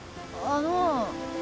あの